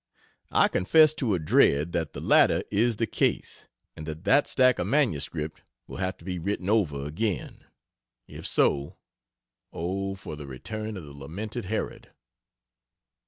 I confess to a dread that the latter is the case and that that stack of MS will have to be written over again. If so, O for the return of the lamented Herod!